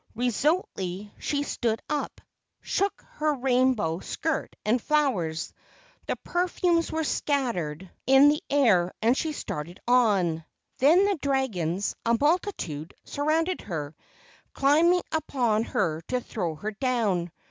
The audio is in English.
Resolutely she stood up, shook her rainbow skirt and flowers. The perfumes were scattered LEGENDS OF GHOSTS 168 in the air and she started on. Then the dragons, a multitude, surrounded her, climbing upon her to throw her down.